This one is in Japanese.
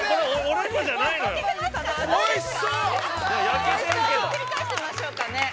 ◆ひっくり返してみましょうかね。